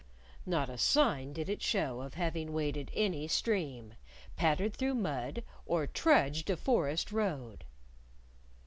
Not a sign did it show of having waded any stream, pattered through mud, or trudged a forest road!